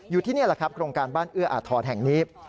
นี่แหละครับโครงการบ้านเอื้ออาทรแห่งนี้